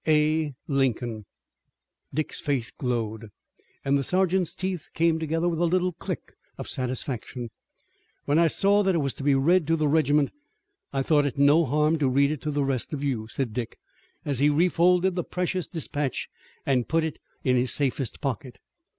A. LINCOLN." Dick's face glowed, and the sergeant's teeth came together with a little click of satisfaction. "When I saw that it was to be read to the regiment I thought it no harm to read it to the rest of you," said Dick, as he refolded the precious dispatch and put it in his safest pocket.